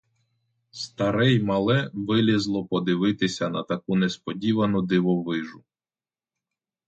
Старе й мале вилізло подивитися на таку несподівану дивовижу.